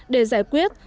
để giải quyết